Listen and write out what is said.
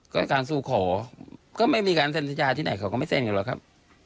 ก็การสู้ขอก็ไม่มีการเซ็นสัญญาที่ไหนเขาก็ไม่เซ็นกันหรอกครับ